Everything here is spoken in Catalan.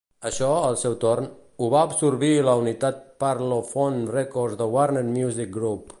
Això, al seu torn, ho va absorbir la unitat Parlophone Records de Warner Music Group.